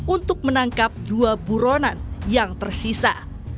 untuk menangkap dua buronan yang tersisa